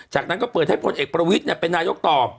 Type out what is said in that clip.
จากนั้นก็เปิดให้พลเอกประวิทย์เป็นนายกต่อ